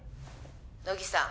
乃木さん